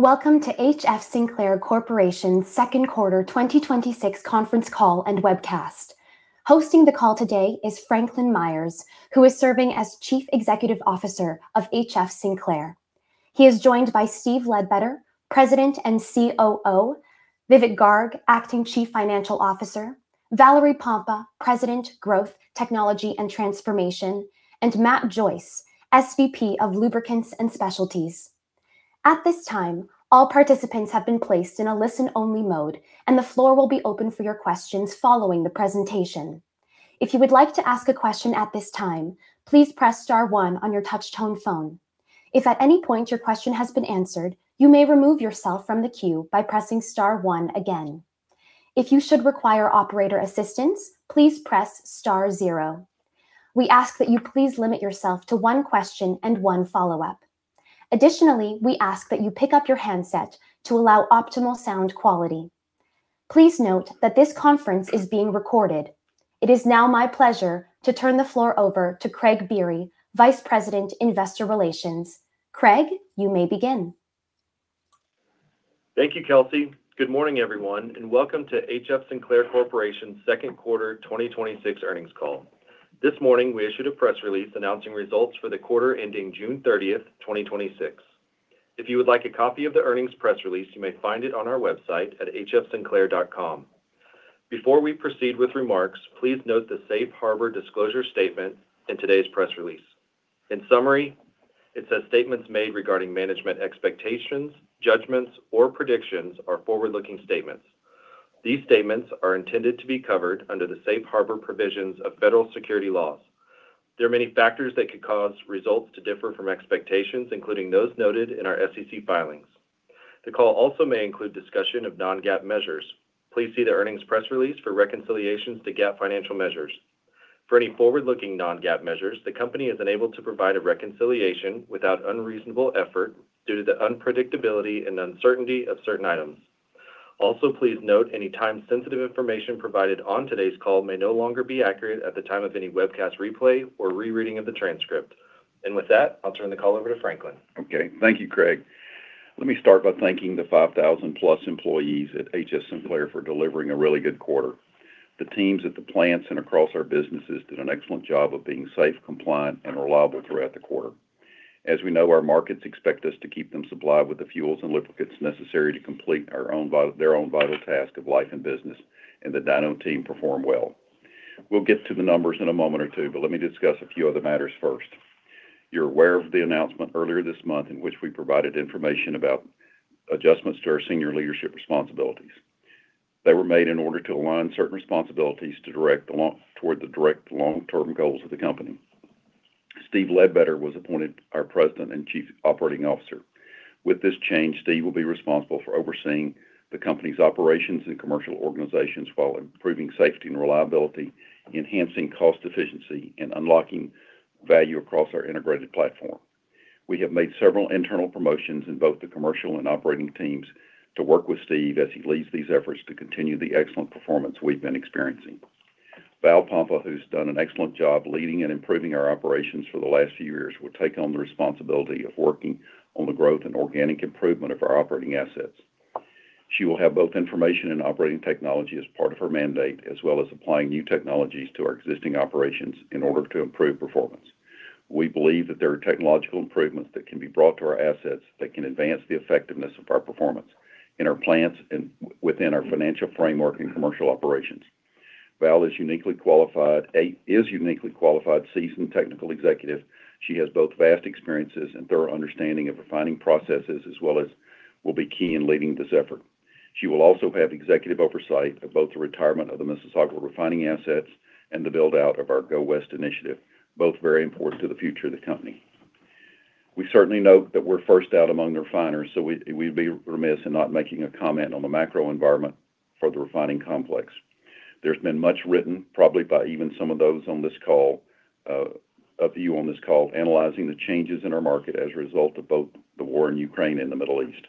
Welcome to HF Sinclair Corporation's Q2 2026 Conference Call and Webcast. Hosting the call today is Franklin Myers, who is serving as Chief Executive Officer of HF Sinclair. He is joined by Steven Ledbetter, President and COO, Vivek Garg, Acting Chief Financial Officer, Valerie Pompa, President, Growth, Technology, and Transformation, and Matt Joyce, SVP of Lubricants and Specialties. At this time, all participants have been placed in a listen-only mode. The floor will be open for your questions following the presentation. If you would like to ask a question at this time, please press star one on your touch-tone phone. If at any point your question has been answered, you may remove yourself from the queue by pressing star one again. If you should require operator assistance, please press star zero. We ask that you please limit yourself to one question and one follow-up. Additionally, we ask that you pick up your handset to allow optimal sound quality. Please note that this conference is being recorded. It is now my pleasure to turn the floor over to Craig Biery, Vice President, Investor Relations. Craig, you may begin. Thank you, Kelsey. Good morning, everyone. Welcome to HF Sinclair Corporation's Q2 2026 earnings call. This morning, we issued a press release announcing results for the quarter ending June 30th, 2026. If you would like a copy of the earnings press release, you may find it on our website at hfsinclair.com. Before we proceed with remarks, please note the safe harbor disclosure statement in today's press release. In summary, it says statements made regarding management expectations, judgments, or predictions are forward-looking statements. These statements are intended to be covered under the safe harbor provisions of federal security laws. There are many factors that could cause results to differ from expectations, including those noted in our SEC filings. The call also may include discussion of non-GAAP measures. Please see the earnings press release for reconciliations to GAAP financial measures. For any forward-looking non-GAAP measures, the company is unable to provide a reconciliation without unreasonable effort due to the unpredictability and uncertainty of certain items. Also, please note any time-sensitive information provided on today's call may no longer be accurate at the time of any webcast replay or rereading of the transcript. With that, I'll turn the call over to Franklin. Okay. Thank you, Craig. Let me start by thanking the 5,000-plus employees at HF Sinclair for delivering a really good quarter. The teams at the plants and across our businesses did an excellent job of being safe, compliant, and reliable throughout the quarter. As we know, our markets expect us to keep them supplied with the fuels and lubricants necessary to complete their own vital task of life and business, and the DINO team performed well. We'll get to the numbers in a moment or two, but let me discuss a few other matters first. You're aware of the announcement earlier this month in which we provided information about adjustments to our senior leadership responsibilities. They were made in order to align certain responsibilities toward the direct long-term goals of the company. Steven Ledbetter was appointed our President and Chief Operating Officer. With this change, Steve will be responsible for overseeing the company's operations and commercial organizations while improving safety and reliability, enhancing cost efficiency, and unlocking value across our integrated platform. We have made several internal promotions in both the commercial and operating teams to work with Steve as he leads these efforts to continue the excellent performance we've been experiencing. Val Pompa, who's done an excellent job leading and improving our operations for the last few years, will take on the responsibility of working on the growth and organic improvement of our operating assets. She will have both information and operating technology as part of her mandate, as well as applying new technologies to our existing operations in order to improve performance. We believe that there are technological improvements that can be brought to our assets that can advance the effectiveness of our performance in our plants and within our financial framework and commercial operations. Val is a uniquely qualified, seasoned technical executive. She has both vast experiences and thorough understanding of refining processes as well as will be key in leading this effort. She will also have executive oversight of both the retirement of the Mississauga refining assets and the build-out of our Go-West initiative, both very important to the future of the company. We certainly note that we're first out among refiners, so we'd be remiss in not making a comment on the macro environment for the refining complex. There's been much written, probably by even some of those of you on this call, analyzing the changes in our market as a result of both the war in Ukraine and the Middle East.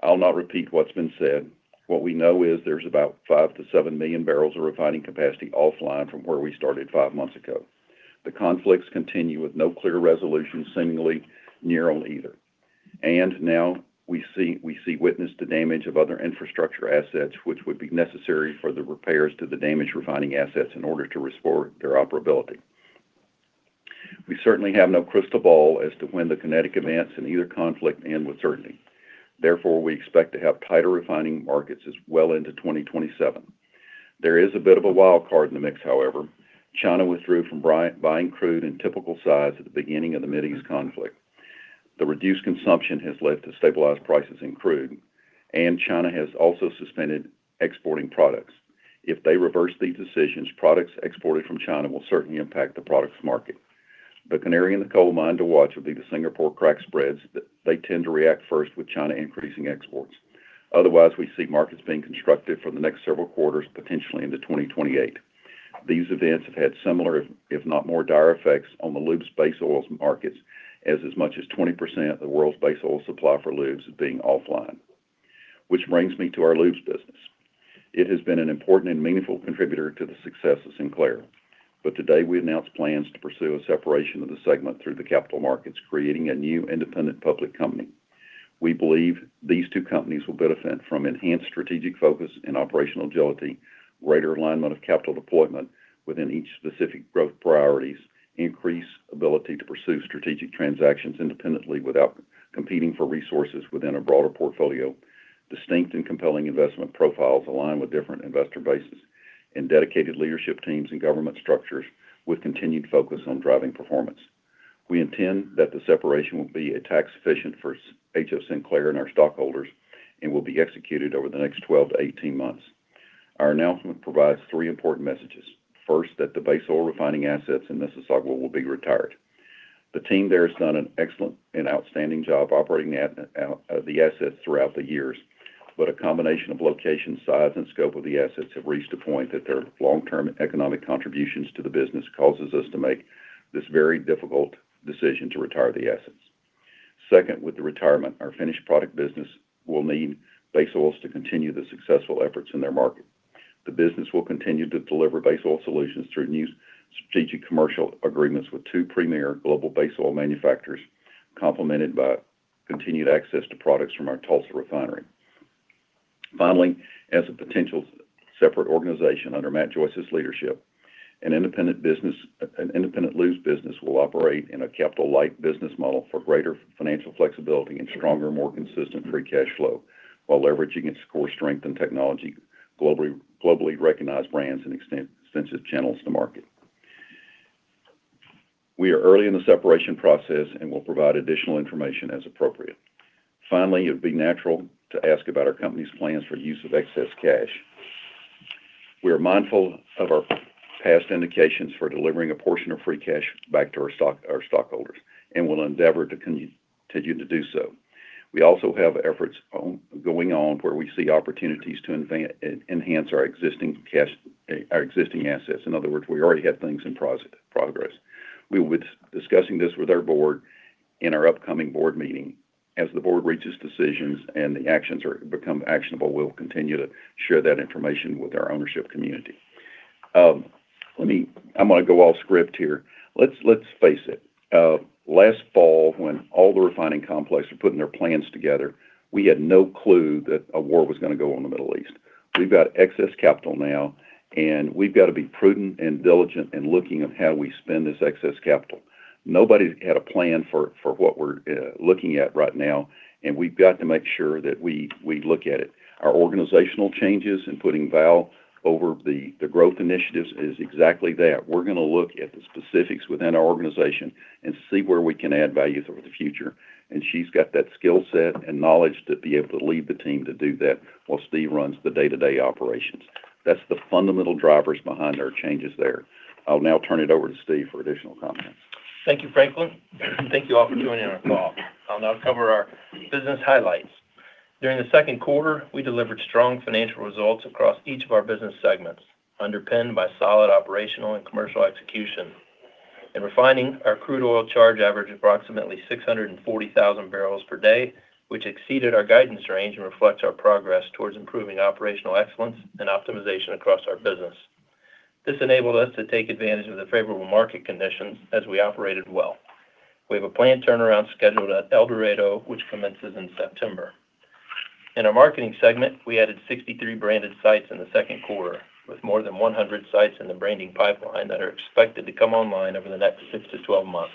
I'll not repeat what's been said. What we know is there's about five to seven million barrels of refining capacity offline from where we started five months ago. The conflicts continue with no clear resolution seemingly near on either. Now we witness the damage of other infrastructure assets which would be necessary for the repairs to the damaged refining assets in order to restore their operability. We certainly have no crystal ball as to when the kinetic events in either conflict end with certainty. Therefore, we expect to have tighter refining markets as well into 2027. There is a bit of a wild card in the mix, however. China withdrew from buying crude in typical size at the beginning of the Middle East conflict. The reduced consumption has led to stabilized prices in crude, and China has also suspended exporting products. If they reverse these decisions, products exported from China will certainly impact the products market. The canary in the coal mine to watch will be the Singapore crack spreads. They tend to react first with China increasing exports. Otherwise, we see markets being constructive for the next several quarters, potentially into 2028. These events have had similar, if not more dire effects on the lubes base oils markets as much as 20% of the world's base oil supply for lubes being offline. Which brings me to our lubes business. It has been an important and meaningful contributor to the success of Sinclair. Today, we announce plans to pursue a separation of the segment through the capital markets, creating a new independent public company. We believe these two companies will benefit from enhanced strategic focus and operational agility, greater alignment of capital deployment within each specific growth priorities, increased ability to pursue strategic transactions independently without competing for resources within a broader portfolio, distinct and compelling investment profiles aligned with different investor bases, and dedicated leadership teams and governance structures with continued focus on driving performance. We intend that the separation will be tax efficient for HF Sinclair and our stockholders and will be executed over the next 12-18 months. Our announcement provides three important messages. First, that the base oil refining assets in Mississauga will be retired. The team there has done an excellent and outstanding job operating the assets throughout the years, but a combination of location, size, and scope of the assets have reached a point that their long-term economic contributions to the business causes us to make this very difficult decision to retire the assets. Second, with the retirement, our finished product business will need base oils to continue the successful efforts in their market. The business will continue to deliver base oil solutions through new strategic commercial agreements with two premier global base oil manufacturers, complemented by continued access to products from our Tulsa refinery. Finally, as a potential separate organization under Matt Joyce's leadership, an independent lubes business will operate in a capital-light business model for greater financial flexibility and stronger, more consistent free cash flow while leveraging its core strength and technology, globally recognized brands, and extensive channels to market. We are early in the separation process and will provide additional information as appropriate. It would be natural to ask about our company's plans for use of excess cash. We are mindful of our past indications for delivering a portion of free cash back to our stockholders and will endeavor to continue to do so. We also have efforts going on where we see opportunities to enhance our existing assets. In other words, we already have things in progress. We're discussing this with our Board in our upcoming Board meeting. As the Board reaches decisions and become actionable, we'll continue to share that information with our ownership community. I'm going to go off script here. Let's face it. Last fall, when all the refining complexes were putting their plans together, we had no clue that a war was going to go on in the Middle East. We've got excess capital now. We've got to be prudent and diligent in looking at how we spend this excess capital. Nobody had a plan for what we're looking at right now. We've got to make sure that we look at it. Our organizational changes in putting Val over the growth initiatives is exactly that. We're going to look at the specifics within our organization and see where we can add value for the future. She's got that skill set and knowledge to be able to lead the team to do that while Steve runs the day-to-day operations. That's the fundamental drivers behind our changes there. I'll now turn it over to Steve for additional comments. Thank you, Franklin. Thank you all for joining our call. I'll now cover our business highlights. During the Q2, we delivered strong financial results across each of our business segments, underpinned by solid operational and commercial execution. In refining, our crude oil charge averaged approximately 640,000 barrels per day, which exceeded our guidance range and reflects our progress towards improving operational excellence and optimization across our business. This enabled us to take advantage of the favorable market conditions as we operated well. We have a planned turnaround scheduled at El Dorado, which commences in September. In our marketing segment, we added 63 branded sites in the Q2, with more than 100 sites in the branding pipeline that are expected to come online over the next 6-12 months.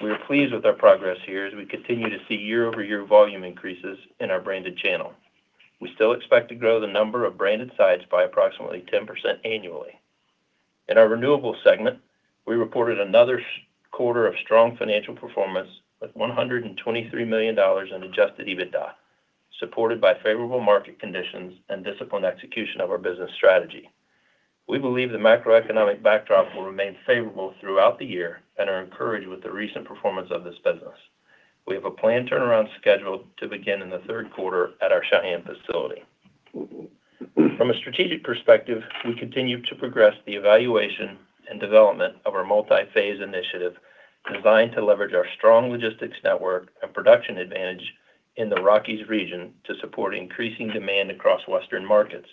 We are pleased with our progress here as we continue to see year-over-year volume increases in our branded channel. We still expect to grow the number of branded sites by approximately 10% annually. In our renewables segment, we reported another quarter of strong financial performance with $123 million in adjusted EBITDA, supported by favorable market conditions and disciplined execution of our business strategy. We believe the macroeconomic backdrop will remain favorable throughout the year and are encouraged with the recent performance of this business. We have a planned turnaround scheduled to begin in the Q3 at our Cheyenne facility. From a strategic perspective, we continue to progress the evaluation and development of our multi-phase initiative designed to leverage our strong logistics network and production advantage in the Rockies region to support increasing demand across Western markets.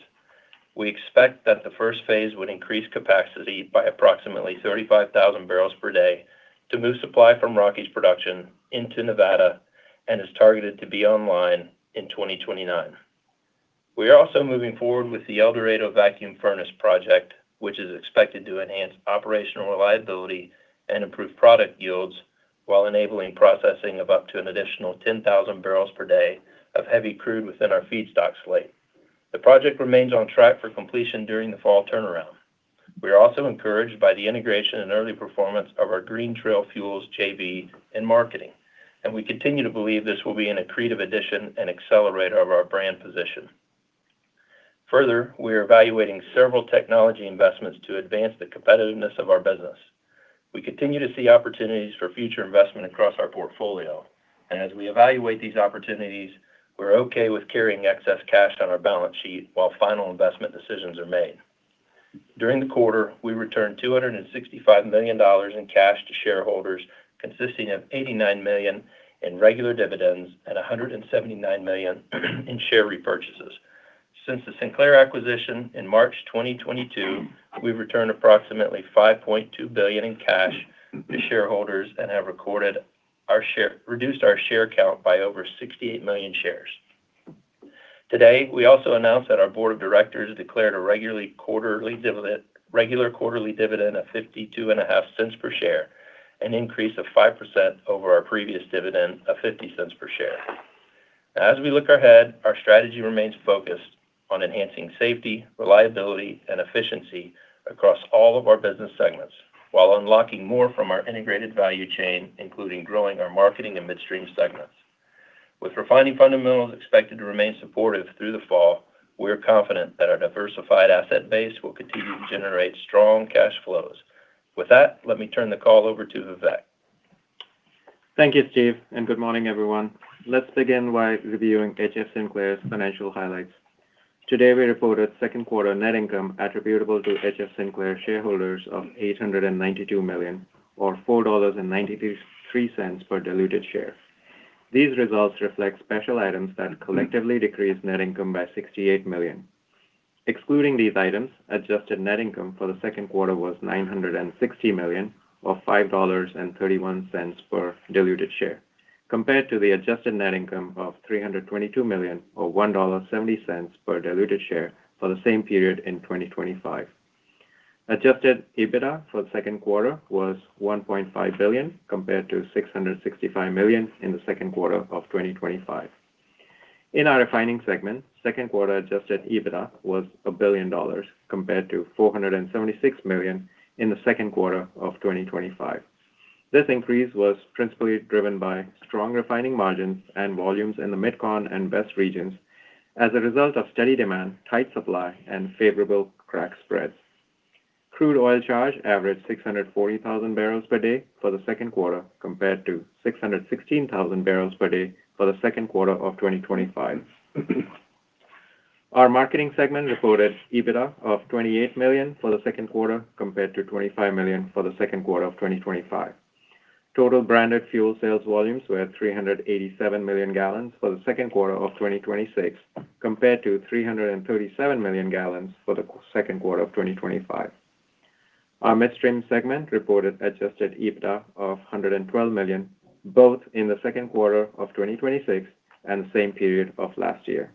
We expect that the first phase would increase capacity by approximately 35,000 barrels per day to move supply from Rockies production into Nevada and is targeted to be online in 2029. We are also moving forward with the El Dorado vacuum furnace project, which is expected to enhance operational reliability and improve product yields while enabling processing of up to an additional 10,000 barrels per day of heavy crude within our feedstock slate. The project remains on track for completion during the fall turnaround. We are also encouraged by the integration and early performance of our Green Trail Fuels JV in marketing. We continue to believe this will be an accretive addition and accelerator of our brand position. Further, we are evaluating several technology investments to advance the competitiveness of our business. We continue to see opportunities for future investment across our portfolio. As we evaluate these opportunities, we're okay with carrying excess cash on our balance sheet while final investment decisions are made. During the quarter, we returned $265 million in cash to shareholders, consisting of $89 million in regular dividends and $179 million in share repurchases. Since the Sinclair acquisition in March 2022, we've returned approximately $5.2 billion in cash to shareholders and have reduced our share count by over 68 million shares. Today, we also announced that our Board of Directors declared a regular quarterly dividend of $0.525 per share, an increase of 5% over our previous dividend of $0.50 per share. As we look ahead, our strategy remains focused on enhancing safety, reliability, and efficiency across all of our business segments, while unlocking more from our integrated value chain, including growing our marketing and midstream segments. With refining fundamentals expected to remain supportive through the fall, we're confident that our diversified asset base will continue to generate strong cash flows. With that, let me turn the call over to Vivek. Thank you, Steve, and good morning, everyone. Let's begin by reviewing HF Sinclair's financial highlights. Today, we reported Q2 net income attributable to HF Sinclair shareholders of $892 million or $4.93 per diluted share. These results reflect special items that collectively decrease net income by $68 million. Excluding these items, adjusted net income for the Q2 was $960 million or $5.31 per diluted share, compared to the adjusted net income of $322 million or $1.70 per diluted share for the same period in 2025. Adjusted EBITDA for the Q2 was $1.5 billion, compared to $665 million in the Q2 of 2025. In our refining segment, Q2 adjusted EBITDA was $1 billion compared to $476 million in the Q2 of 2025. This increase was principally driven by strong refining margins and volumes in the MidCon and West regions as a result of steady demand, tight supply, and favorable crack spreads. Crude oil charge averaged 640,000 barrels per day for the Q2 compared to 616,000 barrels per day for the Q2 of 2025. Our marketing segment reported EBITDA of $28 million for the Q2 compared to $25 million for the Q2 of 2025. Total branded fuel sales volumes were 387 million gallons for the Q2 of 2026 compared to 337 million gallons for the Q2 of 2025. Our midstream segment reported adjusted EBITDA of $112 million, both in the Q2 of 2026 and the same period of last year.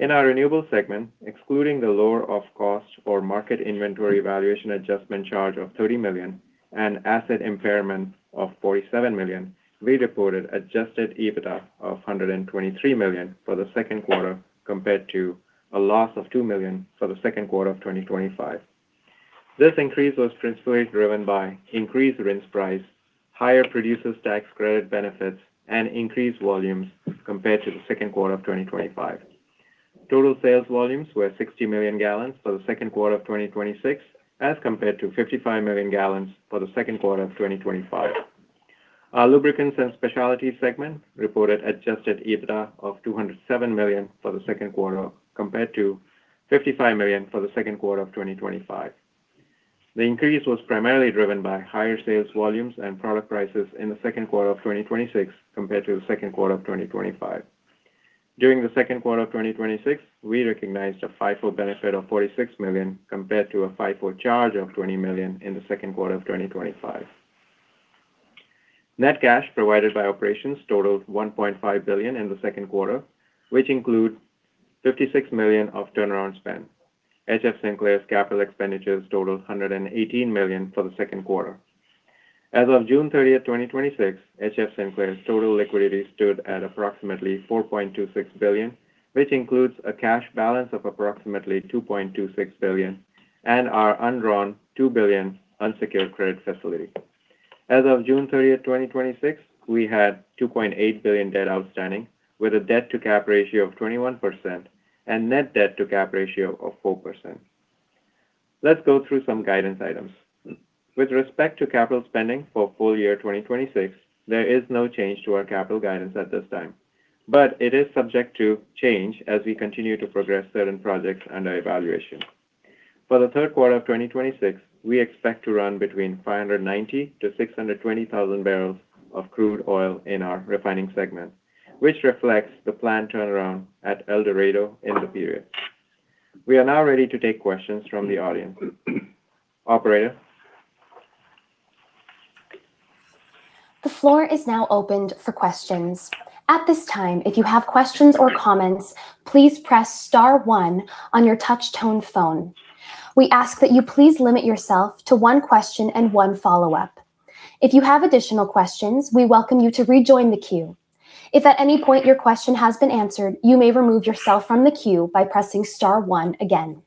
In our renewables segment, excluding the lower of cost or market inventory valuation adjustment charge of $30 million and asset impairment of $47 million, we reported adjusted EBITDA of $123 million for the Q2 compared to a loss of $2 million for the Q2 of 2025. This increase was principally driven by increased RIN price, higher Producer's Tax Credit benefits, and increased volumes compared to the Q2 of 2025. Total sales volumes were 60 million gallons for the Q2 of 2026 as compared to 55 million gallons for the Q2 of 2025. Our Lubricants and Specialties segment reported adjusted EBITDA of $207 million for the Q2 compared to $55 million for the Q2 of 2025. The increase was primarily driven by higher sales volumes and product prices in the Q2 of 2026 compared to the Q2 of 2025. During the Q2 of 2026, we recognized a FIFO benefit of $46 million, compared to a FIFO charge of $20 million in the Q2 of 2025. Net cash provided by operations totaled $1.5 billion in the Q2, which include $56 million of turnaround spend. HF Sinclair's capital expenditures totaled $118 million for the Q2. As of June 30th, 2026, HF Sinclair's total liquidity stood at approximately $4.26 billion, which includes a cash balance of approximately $2.26 billion and our undrawn $2 billion unsecured credit facility. As of June 30th, 2026, we had $2.8 billion debt outstanding, with a debt-to-cap ratio of 21% and net debt-to-cap ratio of 4%. Let's go through some guidance items. With respect to capital spending for full year 2026, there is no change to our capital guidance at this time, but it is subject to change as we continue to progress certain projects under evaluation. For the Q3 of 2026, we expect to run between 590,000-620,000 barrels of crude oil in our refining segment, which reflects the planned turnaround at El Dorado in the period. We are now ready to take questions from the audience. Operator? The floor is now opened for questions. At this time, if you have questions or comments, please press star one on your touch-tone phone. We ask that you please limit yourself to one question and one follow-up. If you have additional questions, we welcome you to rejoin the queue. If at any point your question has been answered, you may remove yourself from the queue by pressing star one again.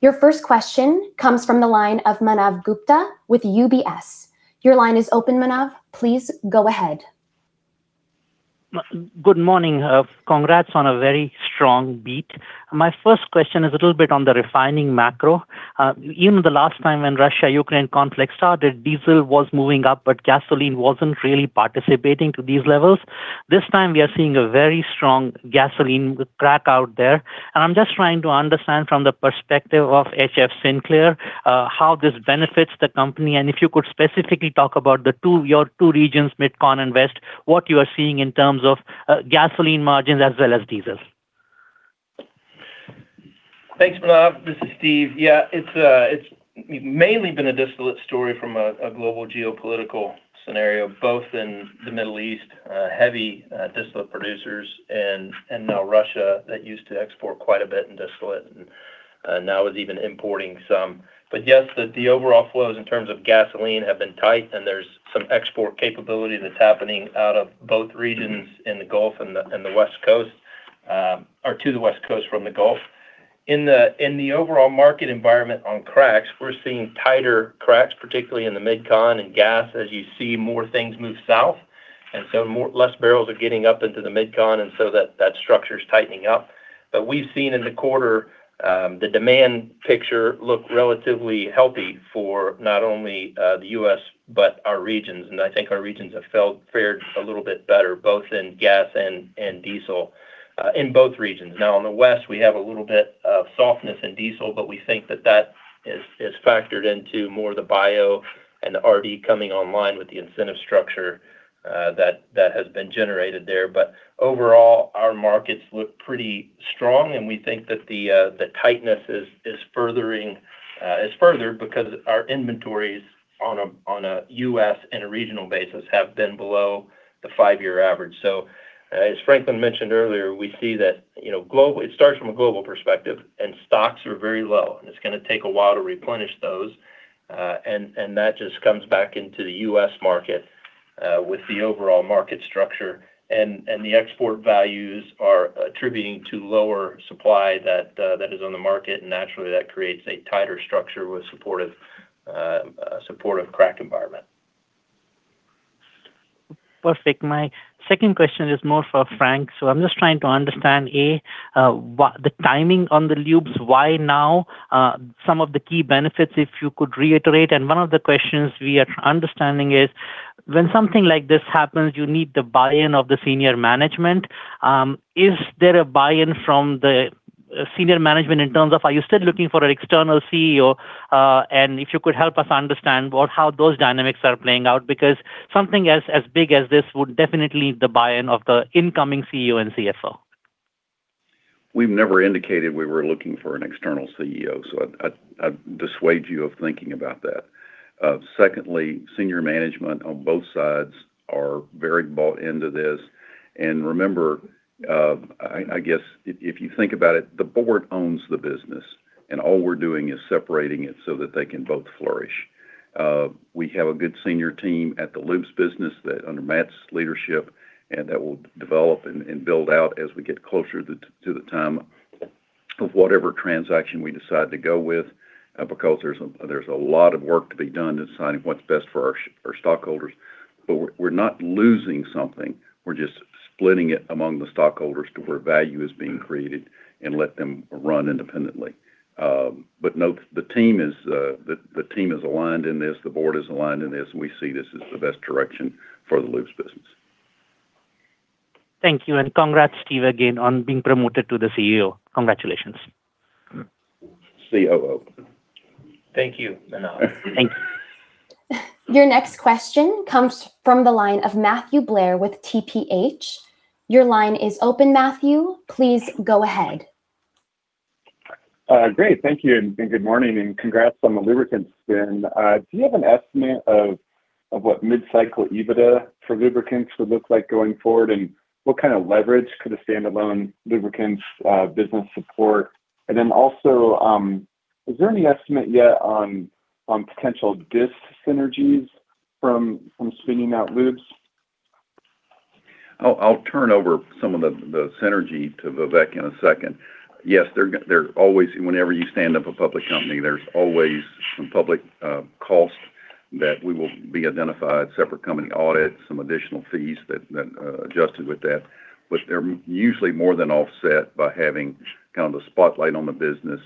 Your first question comes from the line of Manav Gupta with UBS. Your line is open, Manav. Please go ahead. Good morning. Congrats on a very strong beat. My first question is a little bit on the refining macro. You know, the last time when Russia-Ukraine conflict started, diesel was moving up. Gasoline wasn't really participating to these levels. This time, we are seeing a very strong gasoline crack out there. I'm just trying to understand from the perspective of HF Sinclair, how this benefits the company, and if you could specifically talk about your two regions, MidCon and West, what you are seeing in terms of gasoline margins as well as diesel. Thanks, Manav. This is Steve. Yeah. It's mainly been a distillate story from a global geopolitical scenario, both in the Middle East, heavy distillate producers. Now Russia that used to export quite a bit in distillate, and now is even importing some. Yes, the overall flows in terms of gasoline have been tight, and there's some export capability that's happening out of both regions in the Gulf and the West Coast, or to the West Coast from the Gulf. In the overall market environment on cracks, we're seeing tighter cracks, particularly in the MidCon and gas, as you see more things move south. Less barrels are getting up into the MidCon, and so that structure's tightening up. We've seen in the quarter, the demand picture look relatively healthy for not only the U.S., but our regions. I think our regions have fared a little bit better, both in gas and diesel, in both regions. Now, on the West, we have a little bit of softness in diesel. We think that that is factored into more the bio and the RD coming online with the incentive structure that has been generated there. Overall, our markets look pretty strong, and we think that the tightness is further because our inventories on a U.S. and a regional basis have been below the five-year average. As Franklin mentioned earlier, it starts from a global perspective, and stocks are very low, and it's going to take a while to replenish those. That just comes back into the U.S. market, with the overall market structure. The export values are attributing to lower supply that is on the market. Naturally, that creates a tighter structure with supportive crack environment. Perfect. My second question is more for Frank. I'm just trying to understand, A, the timing on the lubes, why now? Some of the key benefits, if you could reiterate. One of the questions we are understanding is, when something like this happens, you need the buy-in of the senior management. Is there a buy-in from the senior management in terms of are you still looking for an external CEO? And if you could help us understand how those dynamics are playing out, because something as big as this would definitely need the buy-in of the incoming CEO and CFO. We've never indicated we were looking for an external CEO. I'd dissuade you of thinking about that. Secondly, senior management on both sides are very bought into this. Remember, I guess, if you think about it, the board owns the business, and all we're doing is separating it so that they can both flourish. We have a good senior team at the lubes business under Matt's leadership, and that will develop and build out as we get closer to the time of whatever transaction we decide to go with, because there's a lot of work to be done in deciding what's best for our stockholders. We're not losing something. We're just splitting it among the stockholders to where value is being created and let them run independently. Note, the team is aligned in this, the board is aligned in this, and we see this as the best direction for the lubes business. Thank you. Congrats, Steve, again, on being promoted to the CEO. Congratulations. COO. Thank you, Manav. Thank you. Your next question comes from the line of Matthew Blair with TPH. Your line is open, Matthew. Please go ahead. Great. Thank you, and good morning, and congrats on the lubricants spin. Do you have an estimate of what mid-cycle EBITDA for lubricants would look like going forward, and what kind of leverage could a standalone lubricants business support? Then also, is there any estimate yet on potential synergies from spinning out lubes? I'll turn over some of the synergy to Vivek in a second. Yes, whenever you stand up a public company, there's always some public cost that we will be identified, separate company audit, some additional fees that associated with that. They're usually more than offset by having kind of the spotlight on the business.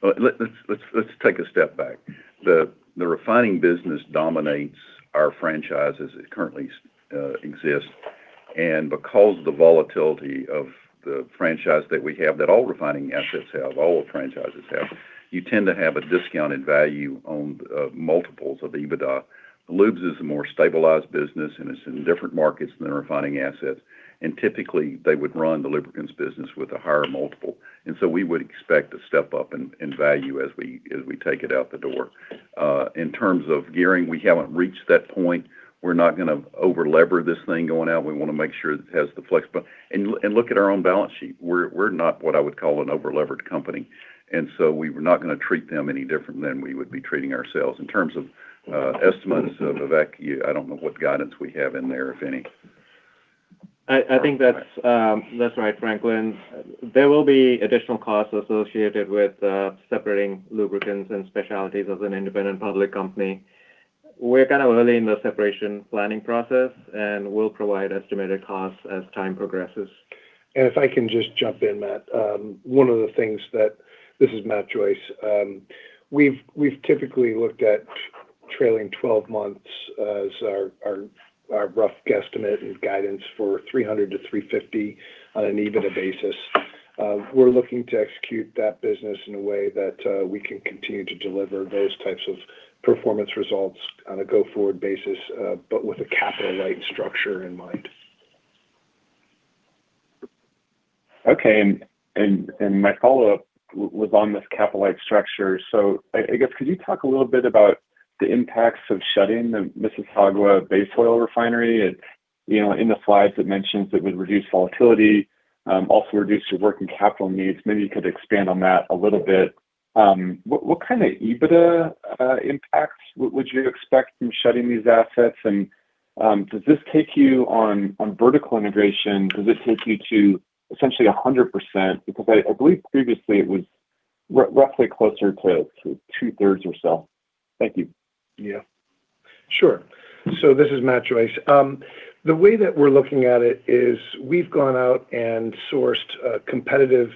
Let's take a step back. The refining business dominates our franchise as it currently exists. Because of the volatility of the franchise that we have, that all refining assets have, all franchises have, you tend to have a discounted value on multiples of EBITDA. Lubes is a more stabilized business, and it's in different markets than the refining assets. Typically, they would run the lubricants business with a higher multiple. We would expect a step up in value as we take it out the door. In terms of gearing, we haven't reached that point. We're not going to over-lever this thing going out. We want to make sure it has the flex. Look at our own balance sheet. We're not what I would call an over-levered company. We were not going to treat them any different than we would be treating ourselves. In terms of estimates, Vivek, I don't know what guidance we have in there, if any. I think that's right, Franklin. There will be additional costs associated with separating Lubricants and Specialties as an independent public company. We're kind of early in the separation planning process. We'll provide estimated costs as time progresses. If I can just jump in, Matt. This is Matt Joyce. We've typically looked at trailing 12 months as our rough guesstimate and guidance for $300-$350 on an EBITDA basis. We're looking to execute that business in a way that we can continue to deliver those types of performance results on a go-forward basis, with a capital light structure in mind. Okay. My follow-up was on this capital light structure. I guess, could you talk a little bit about the impacts of shutting the Mississauga base oil refinery? In the slides, it mentions it would reduce volatility, also reduce your working capital needs. Maybe you could expand on that a little bit. What kind of EBITDA impacts would you expect from shutting these assets? Does this take you on vertical integration? Does this take you to essentially 100%? I believe previously it was roughly closer to 2/3 or so. Thank you. Yeah. Sure. This is Matt Joyce. The way that we're looking at it is we've gone out and sourced a competitive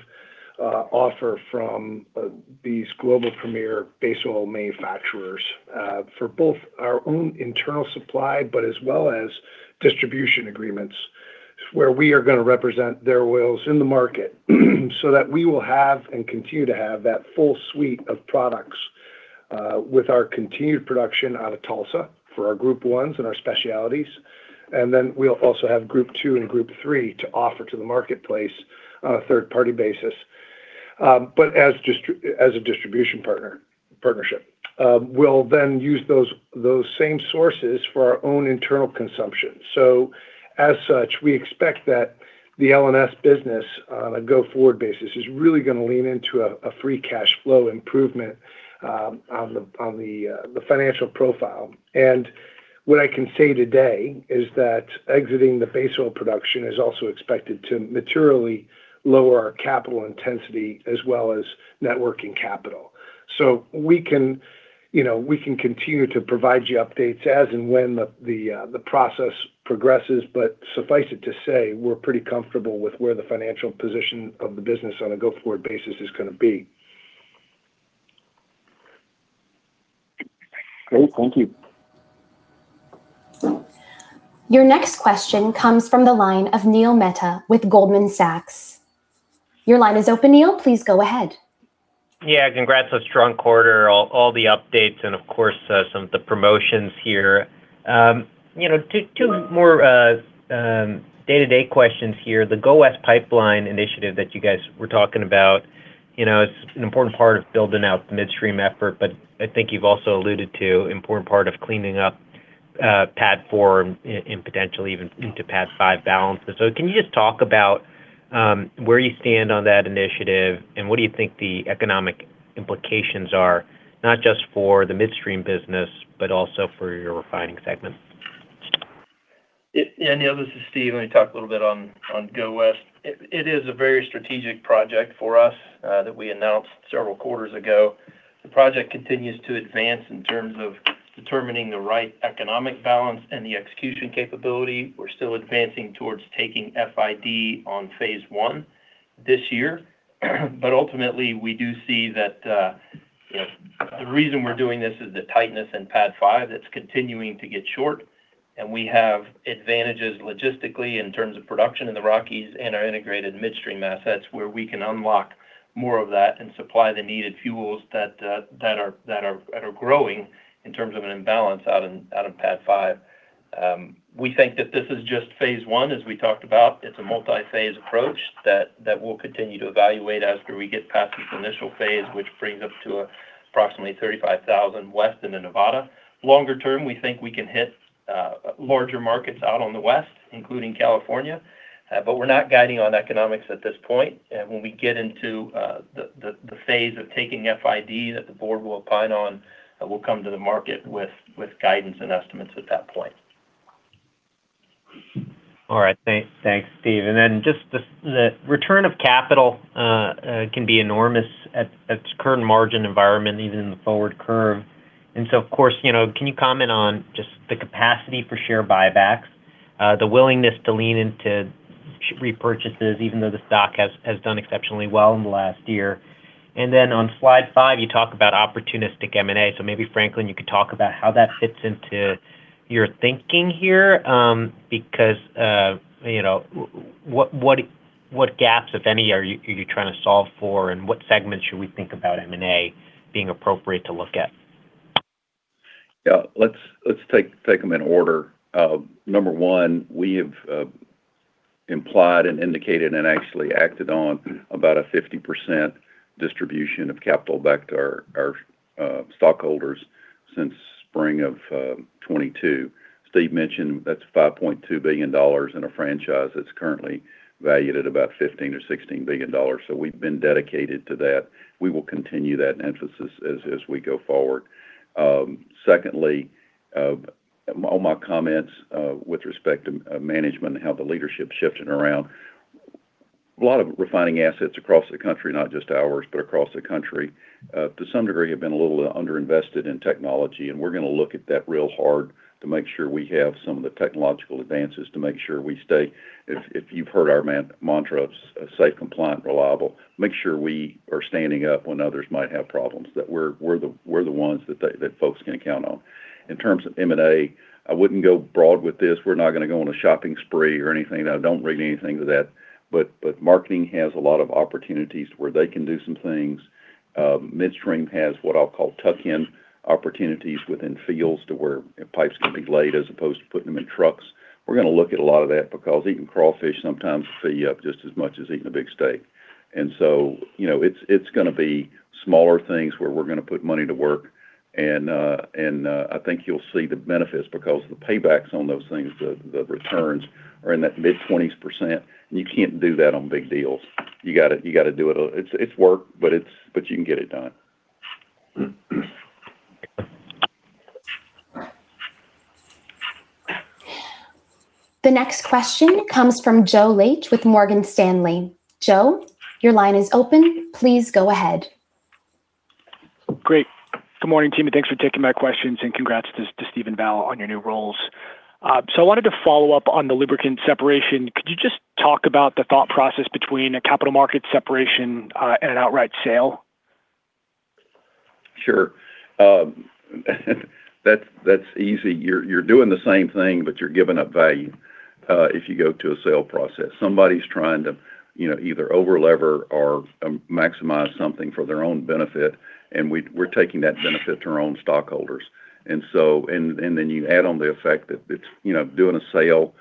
offer from these global premier base oil manufacturers for both our own internal supply, but as well as distribution agreements where we are going to represent their oils in the market so that we will have and continue to have that full suite of products with our continued production out of Tulsa for our Group I and our specialties. We'll also have Group II and Group III to offer to the marketplace on a third-party basis. As a distribution partnership. We'll then use those same sources for our own internal consumption. As such, we expect that the L&S business on a go-forward basis is really going to lean into a free cash flow improvement on the financial profile. What I can say today is that exiting the base oil production is also expected to materially lower our capital intensity as well as net working capital. We can continue to provide you updates as and when the process progresses, but suffice it to say, we're pretty comfortable with where the financial position of the business on a go-forward basis is going to be. Great. Thank you. Your next question comes from the line of Neil Mehta with Goldman Sachs. Your line is open, Neil. Please go ahead. Yeah. Congrats. A strong quarter. All the updates and of course, some of the promotions here. Two more day-to-day questions here. The Go-West pipeline initiative that you guys were talking about, it's an important part of building out the midstream effort, but I think you've also alluded to important part of cleaning up PADD 4 and potentially even into PADD 5 balances. Can you just talk about where you stand on that initiative and what do you think the economic implications are, not just for the midstream business, but also for your refining segment? Yeah, Neil, this is Steve. Let me talk a little bit on Go-West. It is a very strategic project for us that we announced several quarters ago. The project continues to advance in terms of determining the right economic balance and the execution capability. We're still advancing towards taking FID on Phase 1 this year. Ultimately we do see that the reason we're doing this is the tightness in PADD 5 that's continuing to get short, and we have advantages logistically in terms of production in the Rockies and our integrated midstream assets where we can unlock more of that and supply the needed fuels that are growing in terms of an imbalance out in PADD 5. We think that this is just Phase 1, as we talked about. It's a multi-phase approach that we'll continue to evaluate after we get past this initial phase, which brings us to approximately 35,000 west into Nevada. Longer term, we think we can hit larger markets out on the West, including California. We're not guiding on economics at this point. When we get into the phase of taking FID that the Board will opine on, we'll come to the market with guidance and estimates at that point. Thanks, Steve. Just the return of capital can be enormous at its current margin environment, even in the forward curve. Of course, can you comment on just the capacity for share buybacks, the willingness to lean into repurchases even though the stock has done exceptionally well in the last year? On slide five, you talk about opportunistic M&A. Maybe Franklin, you could talk about how that fits into your thinking here. What gaps, if any, are you trying to solve for, and what segments should we think about M&A being appropriate to look at? Yeah. Let's take them in order. Number one, we have implied and indicated and actually acted on about a 50% distribution of capital back to our stockholders since spring of 2022. Steve mentioned that's $5.2 billion in a franchise that's currently valued at about $15 billion or $16 billion. We've been dedicated to that. We will continue that emphasis as we go forward. Secondly, all my comments with respect to management and how the leadership shifted around A lot of refining assets across the country, not just ours, but across the country, to some degree have been a little under-invested in technology. We're going to look at that real hard to make sure we have some of the technological advances to make sure we stay. If you've heard our mantra of safe, compliant, reliable, make sure we are standing up when others might have problems, that we're the ones that folks can count on. In terms of M&A, I wouldn't go broad with this. We're not going to go on a shopping spree or anything. I don't read anything to that. Marketing has a lot of opportunities where they can do some things. Midstream has what I'll call tuck-in opportunities within fields to where pipes can be laid as opposed to putting them in trucks. We're going to look at a lot of that because eating crawfish sometimes will fill you up just as much as eating a big steak. It's going to be smaller things where we're going to put money to work. I think you'll see the benefits because the paybacks on those things, the returns are in that mid-20s%. You can't do that on big deals. It's work, but you can get it done. The next question comes from Joe Laetsch with Morgan Stanley. Joe, your line is open. Please go ahead. Great. Good morning, team, and thanks for taking my questions, and congrats to Steve and Val on your new roles. I wanted to follow-up on the lubricant separation. Could you just talk about the thought process between a capital market separation and an outright sale? Sure. That's easy. You're doing the same thing, but you're giving up value if you go to a sale process. Somebody's trying to either over-lever or maximize something for their own benefit, and we're taking that benefit to our own stockholders. You add on the effect that doing a sale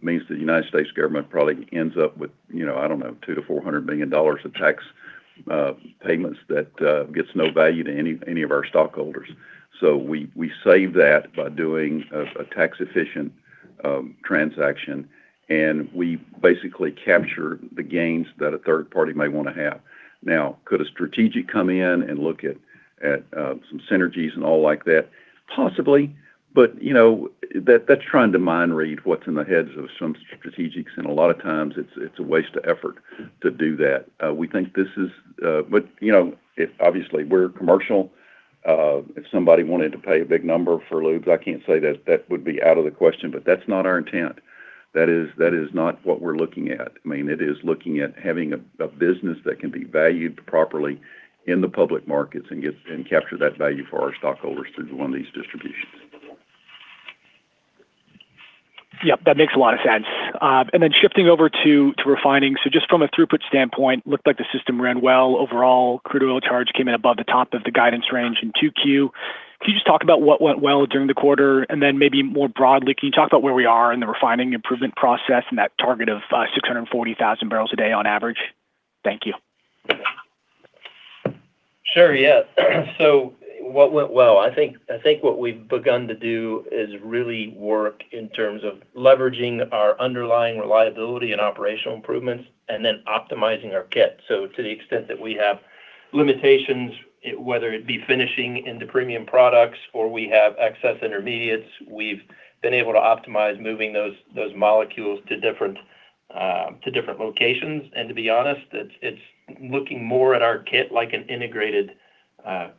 means the United States government probably ends up with $200 million-$400 million of tax payments that gets no value to any of our stockholders. We save that by doing a tax-efficient transaction, and we basically capture the gains that a third party may want to have. Now, could a strategic come in and look at some synergies and all like that? Possibly. That's trying to mind-read what's in the heads of some strategics, and a lot of times it's a waste of effort to do that. Obviously, we're commercial. If somebody wanted to pay a big number for lubes, I can't say that that would be out of the question, but that's not our intent. That is not what we're looking at. It is looking at having a business that can be valued properly in the public markets and capture that value for our stockholders through one of these distributions. Yep, that makes a lot of sense. Shifting over to refining. Just from a throughput standpoint, looked like the system ran well overall. Crude oil charge came in above the top of the guidance range in 2Q. Can you just talk about what went well during the quarter? And then maybe more broadly, can you talk about where we are in the refining improvement process and that target of 640,000 barrels a day on average? Thank you. Sure, yeah. What went well? I think what we've begun to do is really work in terms of leveraging our underlying reliability and operational improvements optimizing our kit. To the extent that we have limitations, whether it be finishing into premium products or we have excess intermediates, we've been able to optimize moving those molecules to different locations. To be honest, it's looking more at our kit like an integrated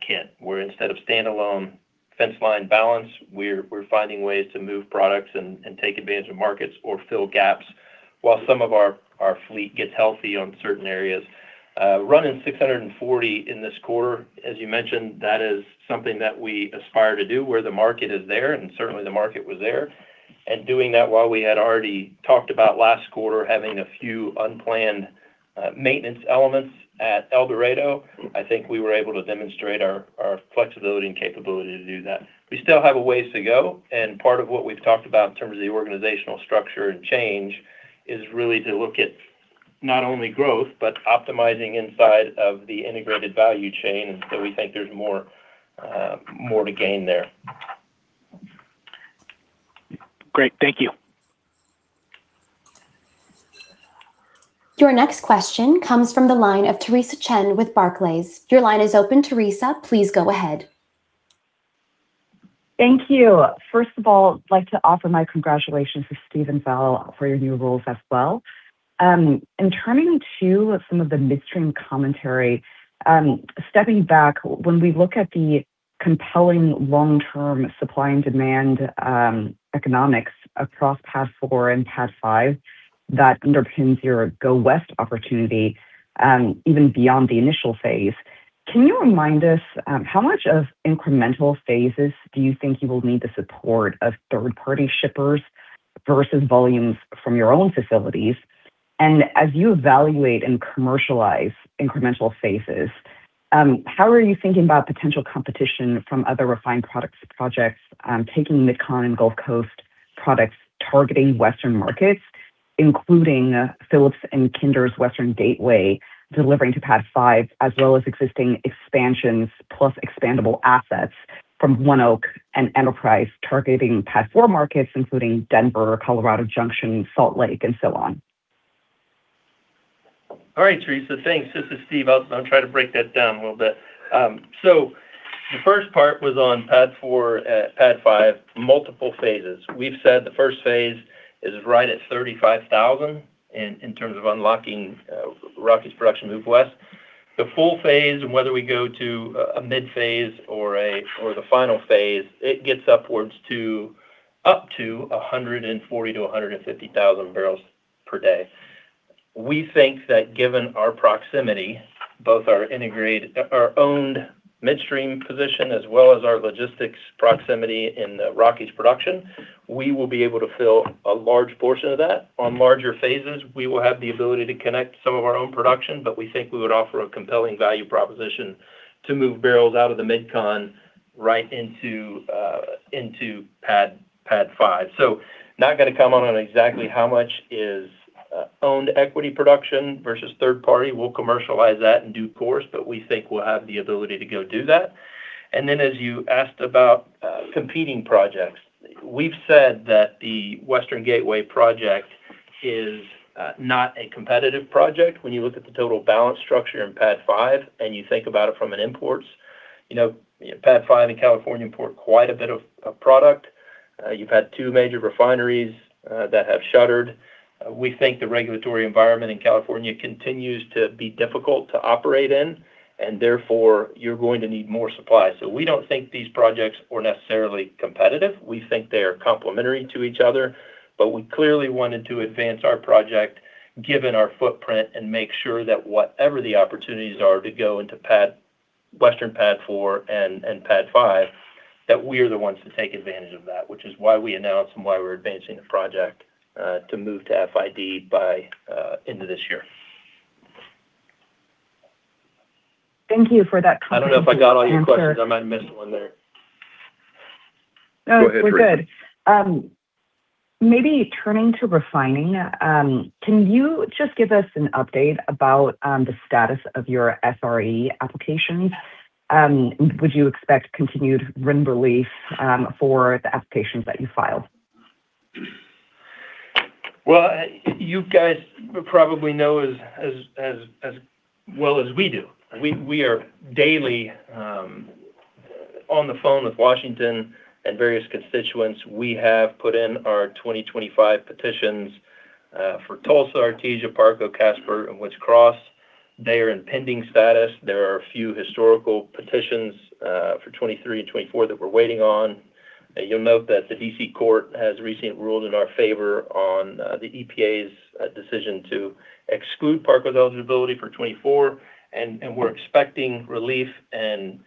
kit, where instead of standalone fence line balance, we're finding ways to move products and take advantage of markets or fill gaps while some of our fleet gets healthy on certain areas. Running 640 in this quarter, as you mentioned, that is something that we aspire to do where the market is there, and certainly the market was there. Doing that while we had already talked about last quarter having a few unplanned maintenance elements at El Dorado, I think we were able to demonstrate our flexibility and capability to do that. We still have a ways to go, part of what we've talked about in terms of the organizational structure and change is really to look at not only growth, but optimizing inside of the integrated value chain. We think there's more to gain there. Great. Thank you. Your next question comes from the line of Theresa Chen with Barclays. Your line is open, Theresa. Please go ahead. Thank you. First of all, I'd like to offer my congratulations to Steve and Val for your new roles as well. In turning to some of the midstream commentary, stepping back, when we look at the compelling long-term supply and demand economics across PADD 4 and PADD 5 that underpins your Go-West opportunity, even beyond the initial phase, can you remind us how much of incremental phases do you think you will need the support of third-party shippers versus volumes from your own facilities? As you evaluate and commercialize incremental phases, how are you thinking about potential competition from other refined products projects taking MidCon and Gulf Coast products targeting Western markets, including Phillips and Kinder's Western Gateway delivering to PADD 5, as well as existing expansions plus expandable assets from ONEOK and Enterprise targeting PADD 4 markets, including Denver, Grand Junction, Salt Lake, and so on? All right, Theresa. Thanks. This is Steve. I'll try to break that down a little bit. The first part was on PADD 4, PADD 5, multiple phases. We've said the first phase is right at 35,000 in terms of unlocking Rockies production move west. The full phase, and whether we go to a mid-phase or the final phase, it gets upwards to up to 140,000-150,000 barrels per day. We think that given our proximity, both our owned midstream position as well as our logistics proximity in the Rockies production, we will be able to fill a large portion of that. On larger phases, we will have the ability to connect some of our own production, but we think we would offer a compelling value proposition to move barrels out of the MidCon right into PADD 5. Not going to comment on exactly how much is owned equity production versus third party. We'll commercialize that in due course, but we think we'll have the ability to go do that. Then as you asked about competing projects, we've said that the Western Gateway project is not a competitive project. When you look at the total balance structure in PADD 5 and you think about it from an imports, PADD 5 and California import quite a bit of product. You've had two major refineries that have shuttered. We think the regulatory environment in California continues to be difficult to operate in, and therefore you're going to need more supply. We don't think these projects are necessarily competitive. We think they are complementary to each other, but we clearly wanted to advance our project given our footprint, and make sure that whatever the opportunities are to go into Western PADD 4 and PADD 5, that we are the ones to take advantage of that. Which is why we announced and why we're advancing the project to move to FID by end of this year. Thank you for that comprehensive answer. I don't know if I got all your questions. I might have missed one there. Go ahead, Theresa. No, we're good. Maybe turning to refining, can you just give us an update about the status of your SRE applications? Would you expect continued RIN relief for the applications that you filed? You guys probably know as well as we do. We are daily on the phone with Washington and various constituents. We have put in our 2025 petitions for Tulsa, Artesia, Parco, Casper and Woods Cross. They are in pending status. There are a few historical petitions for 2023 and 2024 that we're waiting on. You'll note that the D.C. court has recently ruled in our favor on the EPA's decision to exclude Parco's eligibility for 2024, and we're expecting relief and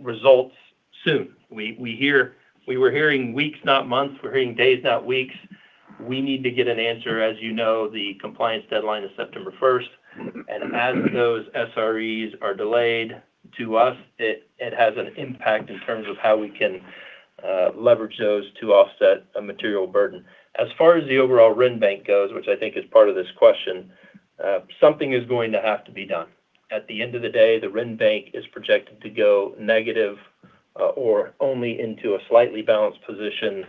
results soon. We were hearing weeks, not months. We're hearing days, not weeks. We need to get an answer. As you know, the compliance deadline is September 1st, and as those SREs are delayed to us, it has an impact in terms of how we can leverage those to offset a material burden. As far as the overall RIN bank goes, which I think is part of this question, something is going to have to be done. At the end of the day, the RIN bank is projected to go negative or only into a slightly balanced position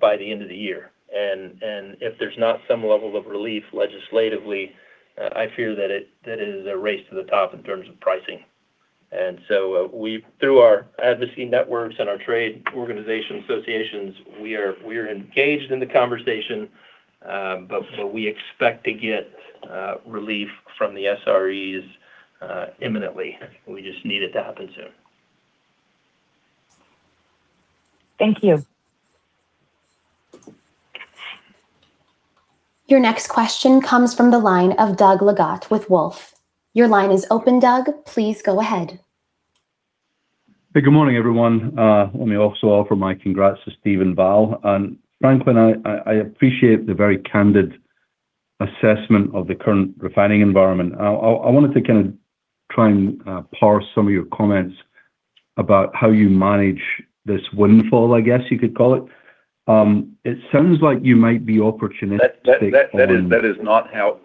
by the end of the year. If there's not some level of relief legislatively, I fear that it is a race to the top in terms of pricing. Through our advocacy networks and our trade organization associations, we are engaged in the conversation. We expect to get relief from the SREs imminently. We just need it to happen soon. Thank you. Your next question comes from the line of Doug Leggate with Wolfe. Your line is open, Doug. Please go ahead. Hey, good morning, everyone. Let me also offer my congrats to Steve and Val. Franklin, I appreciate the very candid assessment of the current refining environment. I wanted to kind of try and parse some of your comments about how you manage this windfall, I guess you could call it. It sounds like you might be opportunistic